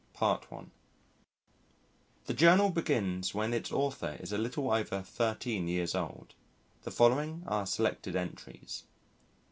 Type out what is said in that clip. PART I THE JOURNAL BEGINS WHEN ITS AUTHOR IS A LITTLE OVER 13 YEARS OLD. _[The Following are Selected Entries.